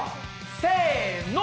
せの！